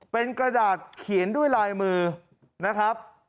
เป็นกระดาษเขียนด้วยลายมือนะครับ